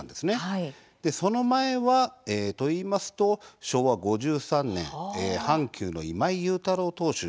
その前は、といいますと昭和５３年阪急の今井雄太郎投手